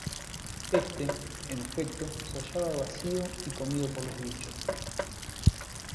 Este, en efecto se hallaba vacío y comido por los bichos.